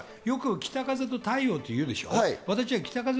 北風と太陽というでしょ？